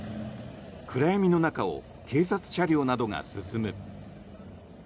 暗闇の中を警察車両などが進む。